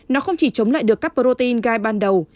nó không chỉ chống lại được các protein gai ban đầu